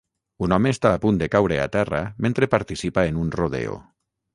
Un home està a punt de caure a terra mentre participa en un rodeo.